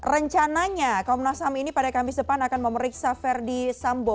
rencananya komnas ham ini pada kamis depan akan memeriksa verdi sambo